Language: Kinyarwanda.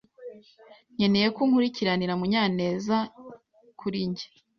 nkeneye ko unkurikirana Munyanezkuri njye.